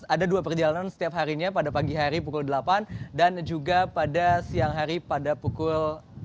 ada dua perjalanan setiap harinya pada pagi hari pukul delapan dan juga pada siang hari pada pukul